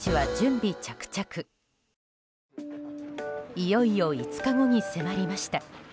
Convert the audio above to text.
いよいよ５日後に迫りました。